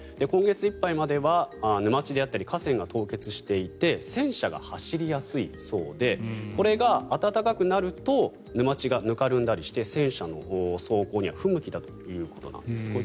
今月いっぱいまでは沼地であったり河川が凍結していて戦車が走りやすいそうでこれが暖かくなると沼地がぬかるんだりして戦車の走行には不向きだということです。